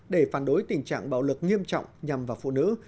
để phản đối tình trạng bạo lực nghiêm trọng nhằm vào phụ nữ